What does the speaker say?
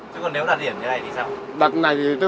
chứ còn nếu đặt biển như thế này thì sao